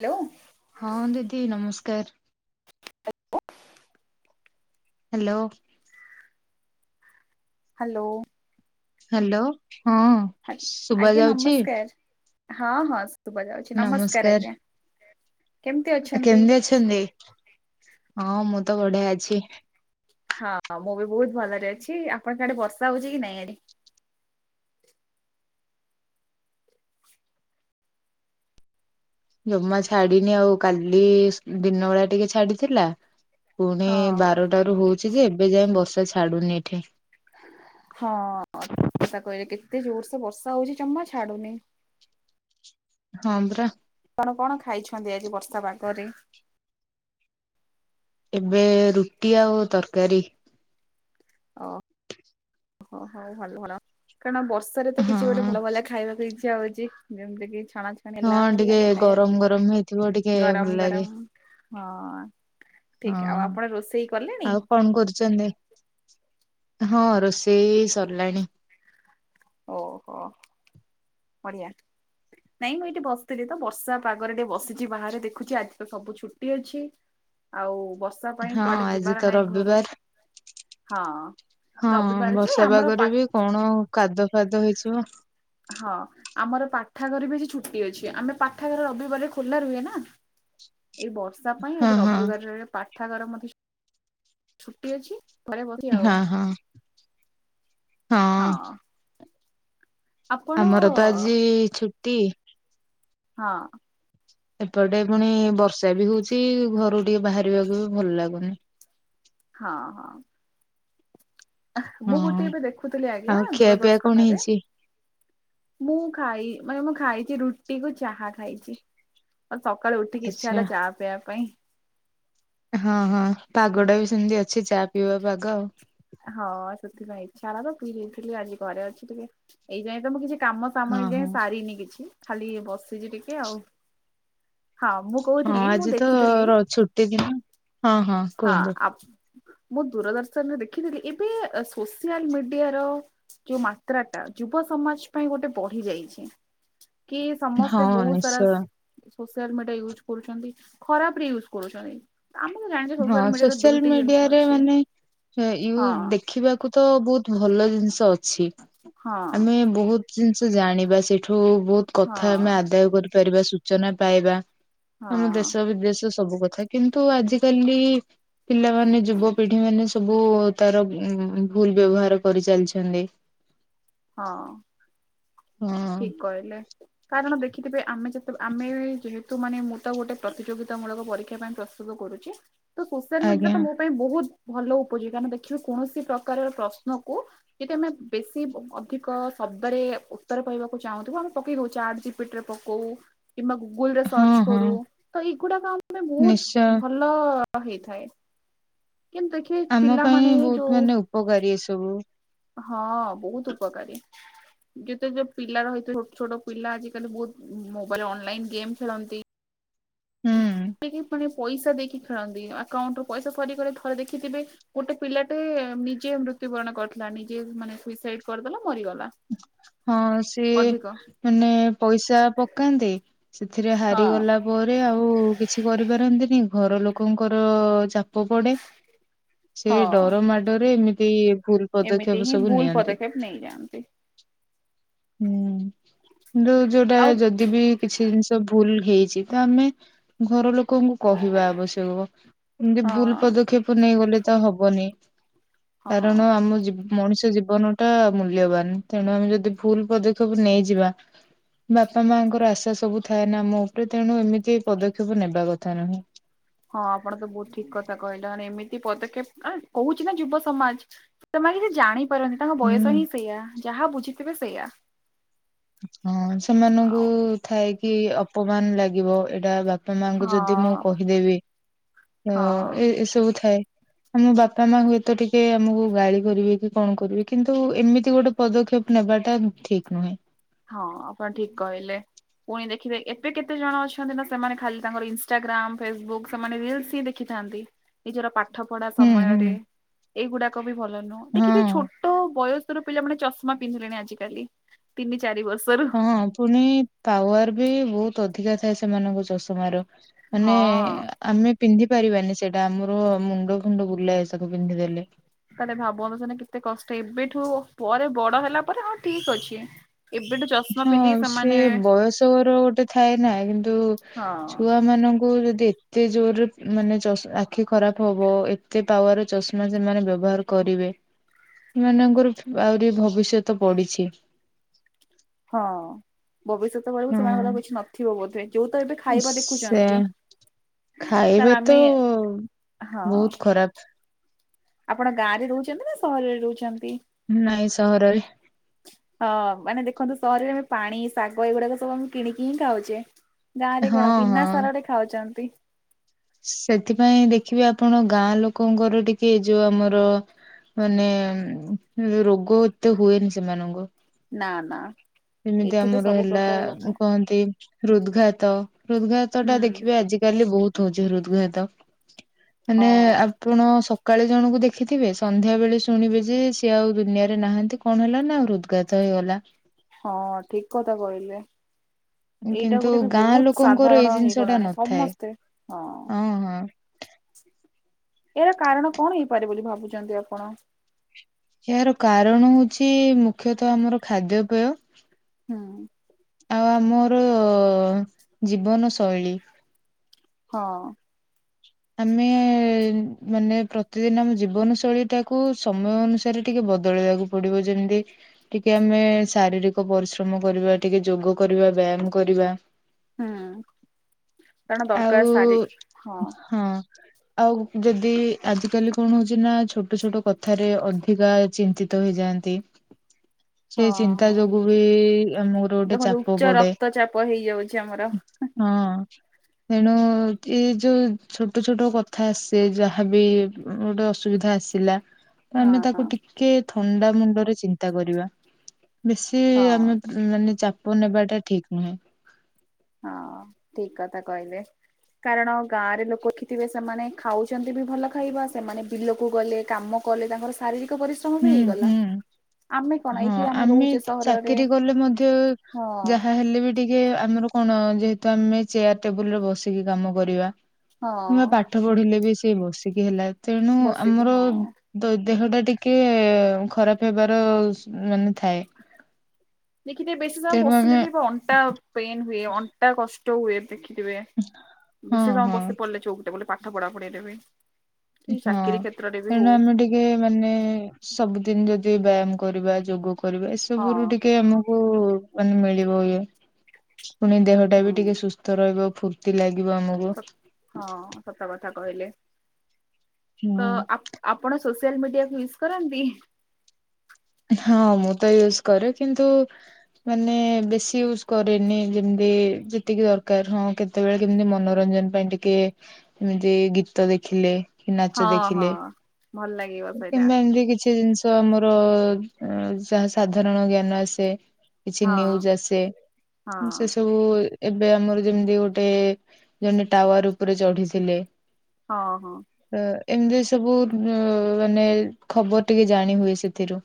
Hello. ହଁ ଦିଦି ନମସ୍କାର। ହ୍ୟାଲୋ। ହାଲୋ। ହାଲୋ ହଁ। ଶୁଭା ଆଜ୍ଞା ଯାଉଛି ନମସ୍କାର। ହଁ ହଁ ଶୁବାଯାଉଛି। ନମସ୍କାର ଆଜ୍ଞା। କେମିତି ଏ ଅଛନ୍ତି? କେମିତି ଅଛନ୍ତି? ହଁ ମୁଁ ତ ବଡ଼ିଆ ଅଛି। ହଁ ମୁଁ ବି ବହୁତ ଭଲରେ ଅଛି। ଆପଣଙ୍କ ଆଡେ ବର୍ଷା ହଉଛି କି ନାଇଁ ଆଡେ? ଜମା ଛାଡିନି, ଆଉ କାଲି ଦିନ ବେଳା ଟିକେ ଛାଡିଥିଲା। ପୁଣି ହଁ ବାରଟା ରୁ ହଉଛି ଯେ, ଏବେ ଯାଏ ବର୍ଷା ଛାଡୁନି ଏଠି। ହଁ ଠିକ୍ କଥା କହିଲେ, କେତେ ଜୋର୍ ସେ ବର୍ଷା ହଉଛି ଜମା ଛାଡୁନି। ହଁ ପରା। ଆପଣ କଣ ଖାଇଛନ୍ତି ଆଜି ବର୍ଷା ପାଗରେ? ଏବେ ରୁଟି ଆଉ ତରକାରୀ। ଅ। ହ ହୋ ଭଲ ଭଲ। କାରଣ ବର୍ଷାରେ ତ ହଁ କିଛି ଗୋଟେ ଭଲ ଭଲ ଖାଇବାକୁ ଇଛା ହଉଛି। ଯେମିତି କି ଛଣାଛଣି। ହେଲା ହଁ ଭଲ ଟିକେ ଲାଗେ ଖାଇବାକୁ। ଗରମ ଗରମ ହେଇଥିବ, ଟିକେ ଗରମ ଭଲ ଲାଗେ। ଗରମ ହଁ ଠିକ ଆଉ ହଁ। ଆପଣ ରୋଷେଇ କଲେଣି ଆଉ କଣ କରୁଛନ୍ତି? ହଁ ରୋଷେଇ ସରିଲାଣି। ଓହୋ ବଢ଼ିଆ। ନାଇଁ ମୁଁ ଏଇଠି ବସିଥିଲି ତ ବର୍ଷା ପାଗରେ ଟିକେ ବସିଛି ବାହାରେ ଦେଖୁଛି ଆଜି ତ ସବୁ ଛୁଟି ଅଛି। ଆଉ ବସ୍। ହଁ ଆଜି ତ ରବିବାର। ହଁ ହଁ ରବିବାର ଯେ ବର୍ଷା ଆମର ପା ପାଗରେ ବି କଣ କାଦ ଫାଦ ହେଇଯିବ। ହଁ ଆମର ପାଠାଗାର ବି ଆଜି ଛୁଟି ଅଛି। ଆମେ ପାଠାଗାର ରବିବାର ଖୋଲା ରୁହେ ନା। ଏଇ ବର୍ଷା ପାଇଁ ହଁ ଆଜି ହଁ ରବିବାରରେ ପାଠାଗାର ମଧ୍ୟ। ଛୁଟି ଅଛି। ଘରେ [unintelligible] ଆଉ। ହଁ ହଁ ହଁ। ଆପଣ ଆମର ତ ଆଜି ଛୁଟି। ହଁ। ଏପଟେ ପୁଣି ବର୍ଷା ବି ହଉଛି ଘରୁ ଟିକେ ବାହାରିବାକୁ ବି ଭଲ ଲାଗୁନି। ହଁ ହଁ। ମୁଁ ଗୋଟେ ହଁ ଏବେ ଦେଖୁଥିଲି ଆଜ୍ଞା ଆଉ ଖିଆ ପିଆ କଣ ଦୂରଦର୍ଶନ ରେ। ହେଇଛି? ମୁଁ ଖାଇ ମାନେ ମୁଁ ଖାଇଛି ରୁଟି କୁ ଚାହା ଖାଇଛି। ସକାଳୁ ଉଠିକି ଇଚ୍ଛା ଆଚ୍ଛା ହେଲା ଚା ପିଇବା ପାଇଁ। ହଁ ହଁ ପାଗଟା ବି ସେମିତି ଅଛି ଚା ପିଇବା ପାଗ ଆଉ। ହଁ ସେଥିପାଇଁ ଇଚ୍ଛା ହେଲା ତ ପିଇ ଦେଇଥିଲି ଆଜି ଘରେ ଅଛି ଟିକେ ଏଇ ଯାଏ ତ ମୁଁ କିଛି। କାମ ସାମ ହଁ ଏ ହଁ ଯାଇ ସାରିନି କିଛି ଖାଲି ବସିଛି ଟିକେ ଆଉ ହଁ ମୁଁ ହଁ କହୁଥିଲି ମୁଁ ଆଜି ତ ଦେଖିଥିଲି ର ଛୁଟି ଦିନ। ହଁ ହଁ କୁହନ୍ତୁ ଆ ମୁଁ ଦୂରଦର୍ଶନରେ ଦେଖିଥିଲି ଏବେ ସୋସିଆଲ ମିଡିଆର ଯୋଉ ମାତ୍ରା ଟା ଯୁବ ସମାଜ ପାଇଁ ଗୋଟେ ବଢି ଯାଇଛି କି ହଁ ସମସ୍ତେ ବହୁତ ସାରା ନିଶ୍ଚୟ ସ ସୋସିଆଲ ମିଡିଆ ୟୁଜ କରୁଛନ୍ତି ଖରାପ ରେ ୟୁଜ୍ କରୁଛନ୍ତି ଆମେ ତ ଜାଣିଛେ ହଁ ମିଡିଆର ସୋସିଆଲ ଦୁଇଟି ଜିନିଷ ମିଡିଆରେ ଅଛି ମାନେ ୟୁ ହଁ ଦେଖିବାକୁ ତ ବହୁତ ଭଲ ଜିନିଷ ଅଛି ହଁ ଆମେ ବହୁତ ଜିନିଷ ଜାଣିବା ସେଇଠୁ ବହୁତ କଥା ଆମେ ହଁ। ଆଦାୟ କରିପାରିବା ସୂଚନା ପାଇବା ଆମ ହଁ ଦେଶ ବିଦେଶ ସବୁ କଥା କିନ୍ତୁ ଆଜିିକାଲି ପିଲାମାନେ ଯୁବପିଢି ମାନେ ସବୁ ତାର ଭୁଲ ବ୍ୟବହାର କରିଚାଲିଛନ୍ତି ହଁ ହଁ ଠିକ କହିଲେ କାରଣ ଦେଖିଥିବେ ଆମେ ଯେତେବେଳେ ଆମେ ଯେତୁ ମାନେ ମୁଁ ତ ଗୋଟେ ପ୍ରତିଯୋଗିତା ମୂଳକ ପରୀକ୍ଷା ପାଇଁ ପ୍ରସ୍ତୁତ କରୁଛି ସୋ ମିଡିଆରେ ଆଜ୍ଞା ତ ମୋ ପାଇଁ ବହୁତ ଭଲ ଉପଯୋଗ କାରଣ ଦେଖିବେ କୌଣସି ପ୍ରକାରର ପ୍ରଶ୍ନକୁ ଯଦି ଆମେ ବେଶୀ ଅଧିକ ଶବ୍ଦରେ ଉ ରେ କହିବାକୁ ଚାହୁଁଥୁବୁ ଆମେ ପକେଇ ଦଉ ଚାଟ୍ ଜିପିଟିରେ ପକଉ କିମ୍ବା ଗୁଗୁଲ ରେ ହଁ ସର୍ଚ୍ଚ ହଁ କରୁ ତ ଏଇଗୁଡାକ ଆ ଆମ ପାଇଁ ବହୁତ ନିଶ୍ଚୟ ଭଲ ଭଲ ହେଇଥାଏ କିନ୍ତୁ ଦେଖିବେ ଆମ ପାଇଁ ପିଲାମାନେ ବହୁତ ଯୋଉ [unintelligible] ହଁ ବହୁତ ଉପକାରୀ ଯେତ ଯୋଉ ପିଲା ରହି ଛୋଟ ଛୋଟ ପିଲା ଆଜିିକାଲି ବହୁତ ମୋବାଇଲ ଅନଲାଇନ ଗେମ୍ ଖେଳନ୍ତି ହୁଁ ସେ ମାନେ ପଇସା ଦେଇକି ଖେଳନ୍ତି ଆକାଉଣ୍ଟୁ ରୁ ପଇସା ସରୀଗଲେ ଥରେ ଦେଖିଥିବେ ଗୋଟେ ପିଲାଟେ ନିଜେ ମୃତ୍ୟୁବରଣ କରିଥିଲା ନିଜେ ମାନେ ସୁଇସାଇଡ କରିଦେଲା ମରିଗଲା ହଁ ସିଏ ଅଧିକ ମାନେ ପଇସା ପକାନ୍ତି ସେଥିରେ ହଁ ହାରିଗଲା ପରେ ଆଉ କିଛି କରିପାରନ୍ତିନି ଘର ଲୋକଙ୍କର ଚାପ ପଡେ ଆ ସେ ଡର ମାଡରେ ଏମିତି ଭୁଲ ଏମିତି ପଦକ୍ଷେପ ହିଁ ସବୁ ଭୁଲ ନିଅନ୍ତି। ପଦକ୍ଷେପ ନେଇଯାଆନ୍ତି। ହୁଁ କିନ୍ତୁ ଯୋଉଟା ଆଉ ଯଦି ଯଦି ବି କିଛି ଜିନିଷ ଭୁଲ ହେଇଛି ତ ଆମେ ଘର ଲୋକଙ୍କୁ କହିବା ଆବଶ୍ୟକ ଏମିତି ଭୁଲ ହଁ ପଦକ୍ଷେପ ନେଇଗଲେ ତ ହବନି। ହଁ କାରଣ ଆମ ଜି ମଣିଷ ଜୀବନ ଟା ମୂଲ୍ୟବାନ ତେଣୁ ଆମେ ଯଦି ଭୁଲ ପଦକ୍ଷେପ ନେଇଯିବା ବାପା ମାଙ୍କର ଆଶା ସବୁ ଥାଏ ନା ଆମ ଉପରେ ତେଣୁ ଏମିତି ପଦକ୍ଷେପ ନେବା କଥା ନୁହେଁ। ହଁ ଆପଣ ତ ବହୁତ ଠିକ କଥା କହିଲଣି ଏମିତି ପଦକ୍ଷେପ କହୁଛି ନା ଯୁବ ସମାଜ। ସେ ମାନେ କିଛି ଜାଣିପାରନି ତାଙ୍କ ହୁଁ। ବୟସ ହିଁ ସେଇୟା ଯାହା ବୁଝିଥିବେ ସେଇୟା। ହଁ ସେମାନଙ୍କୁ ଥାଏ କି ଅପମାନ ଲାଗିବ ଏଇଟା ବା ବାପା ମାଙ୍କୁ ଯଦି ମୁଁ ହଁ କହିଦେବି ତ ହଁ ଏ ଏସବୁ ଥାଏ। ଆମ ବାପା ମା ହୁଏତ ଟିକେ ଆମକୁ ଗାଳି କରିବେ କି କଣ କରିବେ କିନ୍ତୁ ଏମିତି ଗୋଟେ ପଦକ୍ଷେପ ନେବାଟା ଠିକ ନୁହେଁ। ହଁ ଆପଣ ଠିକ କହିଲେ। ପୁଣି ଦେଖିବେ ଏବେେ କେତେ ଜଣ ଅଛନ୍ତି ନା ସେମାନେ ଖାଲି ତାଙ୍କର ଇନଷ୍ଟାଗ୍ରାମ ଫେସବୁକ୍ ସେମାନେ ରିଲସ ହିଁ ଦେ ଦେଖିଥାନ୍ତି ନିଜର ପାଠ ପଢା ହୁଁ ହୁଁ ସମୟରେ ଏଇଗୁଡାକ ବି ଭଲ ନୁହଁ ଦେଖିଥିବେ ଛୋଟ ଛୋଟ ବୟସର ପିଲାମାନୋନେ ଚଷମା ପିନ୍ଧିଲେଣି ଆଜିକାଲି। ତିନି ଚାରି ବର୍ଷର। ହଁ ହଁ ପୁଣି ପାୱାର ବି ବହୁତ ଅଧିକା ଥାଏ ସେମାନଙ୍କ ଚଷମାର। ମାନେ ହଁ। ଆମେ ପିନ୍ଧି ପାରିବାନି ସେଟା ଆମର ମୁଣ୍ଡ ପୁଣ୍ଡ ବୁଲାଏ ସବୁ ପିନ୍ଧିଦେଲେ। ତାହେଲେ ଭାବନ୍ତୁ ସେଟା କେତେ କଷ୍ଟ ଏବେଠୁ ପରେ ବଡ ହେଲା ପରେ ହଁ ଠିକ ଅଛି। ଏବେ ଟୁ ହଁ ସେ ବୟସ ଘର ଗୋଟେ ଥାଏ ନା କିନ୍ତୁ ହଁ ଛୁଆ ମାନଙ୍କୁ ଯଦି ଏତେ ଜୋରରେ ମାନେ ଚସ ଆଖି ଖରାପ ହବ ଏତେ ପାୱାର ଚଷମା ସେମାନେ ବ୍ୟବହାର କରିବେ ସେମାନଙ୍କର ଆହୁରି ଭବିଷ୍ୟତ ପଡିଛି। ହଁ ଭବିଷ୍ୟତ ବେଳକୁ ସେମାନଙ୍କର ହଁ। କିଛି ନଥିବ ବୋଧେ? ଯୋଉ ତ ଏବେ ଖାଇବା ସେ ଦେଖୁଛନ୍ତି ସାର୍ ଖାଇବା ତ ଆମେ ହଁ ବହୁତ ଖରାପ। ଆପଣ ଗାଁରେ ରହୁଛନ୍ତି ନା ସହରରେ ରହୁଛନ୍ତି? ନାଇଁ ସହରରେ। [unintelligible] ହଁ ମାନେ ଦେଖନ୍ତୁ ସହରରେ ଆମେ ପାଣି ଶାଗ ଏଇଗୁଡାକ ସବୁ ଆମେ କିଣିକି ହିଁ ଖାଉଛେ। ଗାଁ ରେ କଣ ହଁ ବିିନା ହଁ। ସାରରେ ଖାଉଛନ୍ତି। ସେଥିପାଇଁ ଦେଖିବେ ଆପଣ ଗାଁ ଲୋକଙ୍କର ଟିକେ ଏ ଯୋଉ ଆମର ମାନେ ରୋଗ ଏତେ ହୁଏନି ସେମାନଙ୍କୁ। ନା ନା। ଯେମିତି ଏଠି ତ ଆମର ସବୁ ହେଲା ପ୍ରକାର ରୋଗ। କୁହନ୍ତି ହୃଦ୍ଘାତ। ହୃଦ୍ଘାତ ତ ହୁଁ ଟା ଦେଖିବେ ଆଜିିକାଲି ବହୁତ ହଉଛି ହୃଦଘାତ ମାନେ ହଁ ଆପଣ ସକାଳେ ଜଣଙ୍କୁ ଦେଖିଥିବେ ସନ୍ଧ୍ୟା ବେଳେ ଶୁଣିବେ ଯେ ସିଏ ଆଉ ଦୁନିଆରେ ନାହାନ୍ତି। କଣ ହେଲା ନା ହୃଦ୍ଘାତ ହେଇଗଲା। ହଁ ଠିକ କଥା କହିଲେ। ଏଇଟା କିନ୍ତୁ ଗୋଟେ ବି ଗାଁ ବହୁତ ଲୋକଙ୍କର ଏଇ ସାଧାରଣ ଜିନିଷ ଟା ହେଇଗଲାଣି ନଥାଏ ସମସ୍ତେ ହଁ। ଏହାର କାରଣ କଣ ହେଇପାରେ ବୋଲି ଭାବୁଛନ୍ତି ଆପଣ? ଏହାର କାରଣ ହଉଛି ମୁଖ୍ୟତଃ ଆମର ଖାଦ୍ୟପେୟ। ହୁଁ ଆଉ ଆମର ଜୀବନ ଶୈଳୀ। ହଁ। ଆମେ ମାନେ ପ୍ରତିଦିନ ଆମ ଜୀବନ ଶୈଳୀ ଟାକୁ ସମୟ ଅନୁସାରେ ଟିକେ ବଦଳେଇବାକୁ ପଡିବୋ ଯେମିତି ଟିକେ ଆମେ ଶାରୀରିକ ପରିଶ୍ରମ କରିବା, ଟିକେ ଯୋଗ କରିବା, ବ୍ୟାୟାମ କରିବା। ହୁଁ କାରଣ ଦରକାର ଆଉ ସାରିକି ହଁ। ହଁ। ଆଉ ଯଦି ଆଜିକାଲି କଣ ହଉଛି ନା ଛୋଟ, ଛୋଟ କଥାରେ ଅଧିକା ଚିନ୍ତି ତୋ ହେଇଯାଆନ୍ତି। [unintelligible] ସେଇ ହଁ ଚିନ୍ତା ହଁ ଯୋଗୁ ବି ଆମର ଗୋଟେ ଦେଖନ୍ତୁ ଚାପ ଉଚ୍ଚ ପଡେ ରକ୍ତ ଚାପ ହେଇଯାଉଛି ଆମର। ହଁ ତେଣୁ ଏ ଯୋଉ ଛୋଟ- ଛୋଟ କଥା ଆସେ ଯାହାବି ଗୋଟେ ଅସୁବିଧା ଆସିଲା। ଆମେ ତାକୁ ହଁ ଟିକେ ଥଣ୍ଡା ମୁଣ୍ଡରେ ଚିନ୍ତା କରିବା। ବେଶୀ ହଁ ଆମେ ମାନେ ଚାପ ନେବାଟା ଠିକି ନୁହେଁ। ହଁ ଠିକ୍ କଥା କହିଲେ। କାରଣ ଗାଁ ରେ ଲୋକଖିଥିବେ ସେମାନେ ଖାଉଛନ୍ତି ବି ଭଲ ଖାଇବା ସେମାନେ ବିଲକୁ ଗଲେ କାମ କଲେ ତାଙ୍କର ଶାରୀରିକ ପରିଶ୍ର ହୁଁ ହୁଁ। ହଁ ଏଇଠି ଆମେ ରହୁଛେ ସହରରେ ଚାକିରି କଲେ ମଧ୍ୟ ହଁ ଯାହା ହେଲେ ବି ଟିକେ ଆମର କଣ ଯେହେତୁ ଆମେ ଚେୟାର, ଟେବୁଲରେ ବସିକି କାମ କରିବା କିମ୍ବା ପା ହଁ ପାଠ ପଢିଲେ ବି ସେ ବସିକି ହେଲା ତେଣୁ ବସିକି ଆମର ହଁ। ତୋ ଦେହ ଟା ଟିକେ ଖରାପ ହେବାର ମାନେ ଥାଏ। ଦେଖି ଥିବେ ବେଶୀ ସମୟ ତେଣୁ ବସିଲେ ଆମେ ବି ଅଣ୍ଟା ପେନ୍ ହୁଏ। ଅ ଅଣ୍ଟା କଷ୍ଟ ହୁଏ ଦେଖିଥିବେ ହଁ ବେଶୀ ସମୟ ହଁ ବସି ପଡିଲେ ଚଉକି ଟେବୁଲ ପାଠ ପଢା ପଢିରେ ବି। କି ହଁ ଚାକିରି କ୍ଷେତ୍ରରେ ବି ତେଣୁ ହଉ। ଆମେ ଟିକେ ଇଏ ମାନେ ସବୁଦିନି ଯଦି ବ୍ୟାୟାମ କରିବା ଯୋଗ କରିବା ଏସବୁ ରୁ ହଁ ଟିକେ ଆମ ଫୁ ମାନେ ମିଳିବ ଇଏ ପୁଣି ଦେହଟା ହୁଁ ବି ଟିକେ ସୁସ୍ଥ ରହିବ ଫୁ ଏମିତି ଲାଗିବ ଆମୁକୁ। ହଁ ସତ କଥା କହିଲେ ତ ହଁ ଆ ଆପଣ ସୋସିଆଲ ମିଡିଆକୁ ୟୁଜ୍ କରନ୍ତି? ହଁ ମୁଁ ତ ୟୁଜୁ କରେ କିନ୍ତୁ ମାନେ ବେଶୀ ୟୁଜ କରେନି ଯେମିତି ଯେତିକି ଦରକାର ହଁ କେ କେତେବେଳେ କେମିତି ମନୋରଞ୍ଜନ ପାଇଁ ଟିକେ ଏମିତି ଗୀତ ଦେଖିଲେ। ନାଚ ହଁ ହଁ। ଦେଖିଲେ ଭଲ ଲାଗିବ ସେଇଟା କିମ୍ବା ଏମିତି କିଛି ଜିନିଷ। ତ ଆମର ଯାହା ସାଧାରଣ ଜ୍ଞାନ ଆସେ। କିଛି ହଁ ନ୍ୟୁଜୁ ଆସେ ହଁ ସେ ସବୁ ଏବେ ଆମର ଯେମିତି ଗୋଟେ ଜଣେ ଟାୱାର ଉପରେ ଚଢିଥିଲେ। ହଁ ହଁ। ଅ ଏମିତି ସବୁ ମାନେ ଖବର ଟିକେ ଜାଣି ହୁଏ ସେଥିରୁ।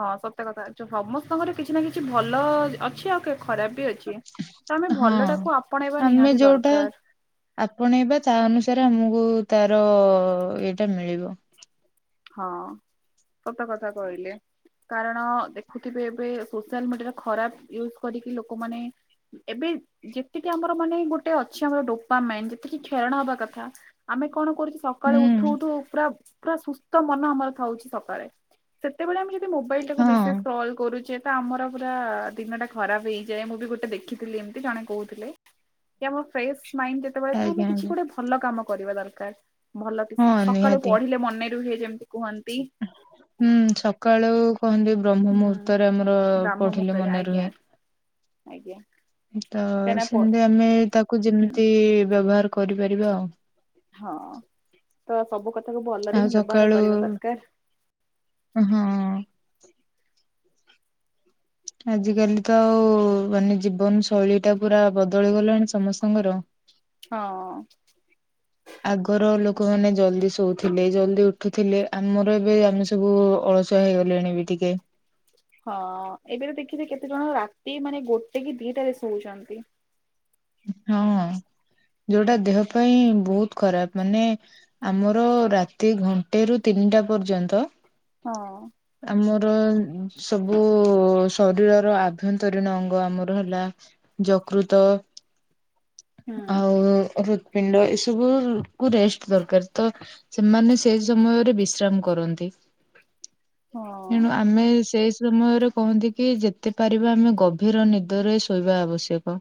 ହଁ ସତ କଥା ସମସ୍ତଙ୍କର କିଛି ନା କିଛି ଭଲ ଅଛି ଆଉ କେବେ। ଖରାପ ବି ଅଛି ତ ଆମେ ହଁ ଭଲ ଟାକୁ ଆପଣେଇବା ଆମେ ନିହାତି ଯୋଉଟା ଦରକାର। ଆପଣେଇବା ତା ଅନୁସାରେ ଆମକୁ ତାର ଇଏଟା ମିଳିବ। ହଁ ସତ କଥା କହିଲେ। କାରଣ ଦେଖୁଥିବେ ଏବେ ସୋସିଆଲ ମିଡିଆର ଖରାପ ୟଜ କରିକି ଲୋକମାନେ ଏବେ ଯେତିକି ଆମର ମାନେ ଗୋଟେ ଅଛି ଆମର ଡୋପା ମେନ୍ ଯେତିକି କ୍ଷରଣା ହବା କଥା ଆମେ କଣ କରୁଛୁ ହୁଁ ସକାଳେ ଉଠୁ ଉଠୁ ପୁରା ପୁରା ସୁସ୍ଥ ମନ ଆମର ଥାଉଛି ସକାଳେ। ସେତେବେଳେ ଆମେ ଯଦି ମୋବାଇଲ ଟାକୁ ହଁ ବିଶେଷ କଲ୍ କରୁଚେ ତ ଆମର ପୁରା ଦିନଟା ଖରାପ ହେଇଯାଏ ମୁଁ ବି ଗୋଟେ ଦେଖିଥିଲି ଏମତି ଜଣେ କହୁଥିଲେ। ଇଏ ଫ୍ରେଶ୍ ମାଇଣ୍ଡ୍ ସେତେବେଳେ ଆମେ ଆଜ୍ଞା କିଛି ଆଜ୍ଞା ଗୋଟେ ଭଲ କାମ କରିବା ଦରକାର, ଭଲ ଟି ହଁ ସକାଳୁ ନିହାତି। ପଢିଲେ ମନେ ରୁହେ ଯେମିତି କୁହନ୍ତି। ହୁଁ ସକାଳୁ କହନ୍ତି ବ୍ରହ୍ମ ହୁଁ। ମୁହୂର୍ତ୍ତରେ ଆମର ବ୍ରାହ୍ମ ପଢିଲେ ମୁହୂର୍ତ୍ତରେ ମନେ ଆଜ୍ଞା ରୁହେ। ଆଜ୍ଞା। ତ କାହିଁକିନା ପ ସେମିତି ଆମେ ତାକୁ ହୁଁ ଯେମିତି ବ୍ୟବହାର କରିପାରିବା ଆଉ। ହଁ ତ ସବୁ କଥାକୁ ଆଉ ଭଲରେ ହିଁ ବ୍ୟବହାର କରିବା ଦରକାର। ହୁଁ। ଆଜିକାଲି ତ ଆଉ ମାନେ ଜୀବନ ଶୈଳୀ ଟା ପୁରା ବଦଳି ଗଲାଣି ସମସ୍ତଙ୍କର। ହଁ। ଆଗର ଲୋକମାନୋ ଜଲ୍ଦି ଶୋଉଥିଲେ ଜଲ୍ଦି ଉଠୁଥିଲେ ଆମର ଏବେ ଆମେ ସବୁ ଅଳ ଶୁଆ ହେଇଗଲେଣି ବି ଟିକେ। ହଁ ଏବେ ତ ଦେଖଛିେ କେତେ ଜଣ ରାତି ମାନେ ଗୋଟେ କି ଦିଟାରେ ଶୋଉଚନ୍ତି। ହଁ ଯୋଉଟା ଦେହ ପାଇଁ ବହୁତ୍ ଖରାପ ମାନେ ଆମର ରାତି ଘଣ୍ଟେ ରୁ ତିନିଟା ପର୍ଯ୍ୟନ୍ତ ହଁ। ଆମର ସବୁ ଶରୀରର ଆଭ୍ୟନ୍ତରୀଣ ଅଙ୍ଗ ଆମର ହେଲା ଯକୃତ ହୁଁ ଆଉ ରୁତପିଣ୍ଡ ଏସବୁ କୁ ରେଷ୍ଟ ଦରକାର, ତ ସେମାନେ ସେ ସମୟରେ ବିଶ୍ରାମ କରନ୍ତି। ଏଣୁ ହଁ ଆମେ ସେଇ ସମୟରେ କହନ୍ତି କି ଯେତେ ପାରିବା ଆମେ ଗଭୀର ନିଦରେ ଶୋଇବା ଆବଶ୍ୟକ।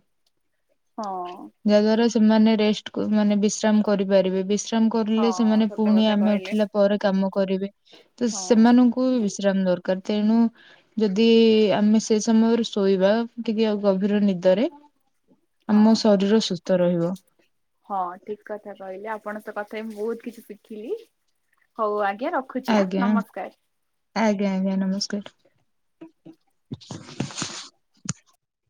ହଁ। ଯାହା ଦ୍ଵାରା ସେମାନେ ରେଷ୍ଟ ମାନେ ବିଶ୍ରାମ କରିପାରିବେ ବି ବିଶ୍ରାମ କରେ ହଁ ସେମାନେ ସତ ପୁଣି କଥା ଆମେ କହିଲେ ଉଠିଲା ପରେ କାମ କରିବେ, ତ ହଁ ସେମାନଙ୍କୁ କୁ ବିଶ୍ରାମ ଦରକାର ତେଣୁ ଯଦି ଆମେ ସେ ସମୟରେ ଶୋଇବା ଟିକେ ଆଉ ଗଭୀର ନିଦରେ, ହଁ ଆମ ଶରୀର ସୁସ୍ଥ ରହିବ। ହଁ ଠିକ କଥା କହିଲେ ଆପଣ ତ କଥା ମୁଁ ବହୁତ କିଛି ଶିଖିଲି, ହଉ ଆଜ୍ଞା ର ଆଜ୍ଞା ଆଜ୍ଞା ଆଜ୍ଞା ନମସ୍କାର।